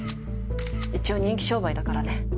一応人気商売だからね。